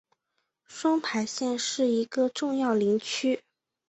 双牌县是一个重要林区。